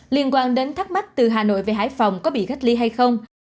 liên quan đến thắc mắc từ hà nội về hải phòng có bị cách ly hay không